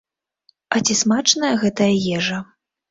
А ці смачная гэтая ежа?